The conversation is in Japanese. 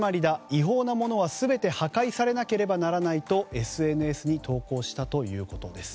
違法なものは全て破壊されなければならないとＳＮＳに投稿したということです。